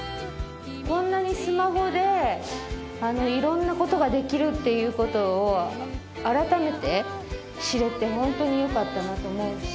こんなにスマホでいろんなことができるっていうことを改めて知れて本当によかったなと思うし。